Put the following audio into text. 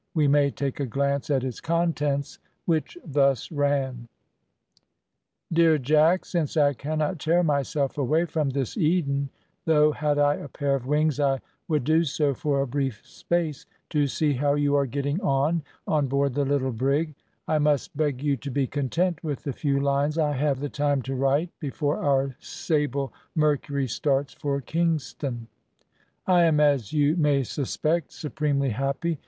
We may take a glance at its contents, which thus ran: "Dear Jack, Since I cannot tear myself away from this Eden, though had I a pair of wings I would do so for a brief space, to see how you are getting on on board the little brig, I must beg you to be content with the few lines I have the time to write, before our sable `Mercury' starts for Kingston. I am, as you may suspect, supremely happy.